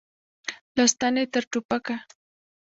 له ستنې تر ټوپکه.